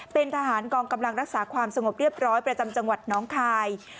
เป็นทหารกองกำลังรักษาความสงบเรียบร้อยประจำจังหวัดน้องคาย